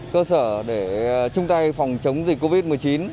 cơ sở để chung tay phòng chống dịch covid một mươi chín